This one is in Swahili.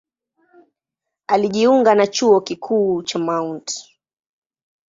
Alijiunga na Chuo Kikuu cha Mt.